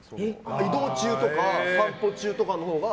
移動中とか散歩中とかのほうが。